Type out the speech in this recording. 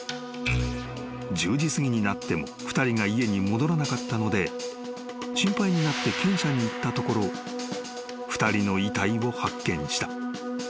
［１０時すぎになっても２人が家に戻らなかったので心配になって犬舎に行ったところ２人の遺体を発見した］